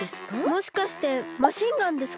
もしかしてマシンガンですか？